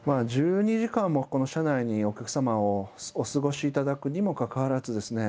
１２時間もこの車内にお客様をお過ごし頂くにもかかわらずですね